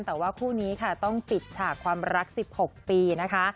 แต่ว่าคู่นี้ค่ะต้องปิดฉากความรัก๑๖ปีนะคะ